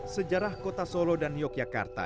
sejarah kota solo dan yogyakarta